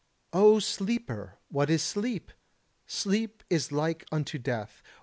O sleeper, what is sleep? Sleep is like unto death.